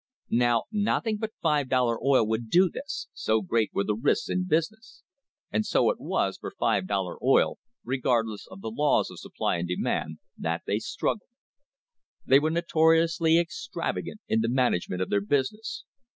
Now nothing but five dollar oil would do this, so great were the risks in business ; and so it was for five dollar oil, re gardless of the laws of supply and demand, that they struggled. They were notoriously extravagant in the management of their business.